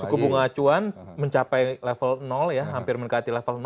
suku bunga acuan mencapai level hampir mencapai level